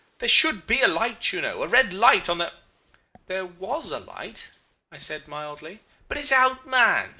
There should be a light, you know. A red light on the ' "'There was a light,' I said, mildly. "'But it's out, man!